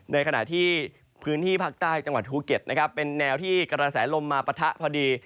ในขณะที่พื้นที่ภาคใต้จังหวัดภูเก็ตนะครับเป็นแนวที่กระแสลมมาปะทะพอดี